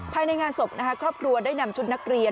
ภายในงานศพครอบครัวได้นำชุดนักเรียน